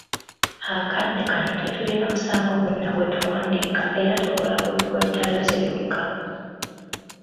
Akadde kano tetulina musango gwonna gwe tuwandiika era tukola ku bigwa bitalaze byokka.